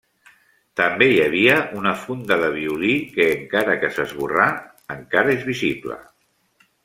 També hi havia una funda de violí que, encara que s'esborrà, encara és visible.